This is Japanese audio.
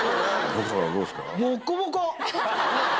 北斗さんどうですか？